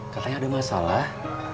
katanya ada masalah